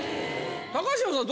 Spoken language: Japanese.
高島さん